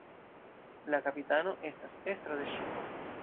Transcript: La "kapitano" estas estro de ŝipo.